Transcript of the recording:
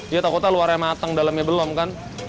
iya takutah luarnya matang dalamnya belum kan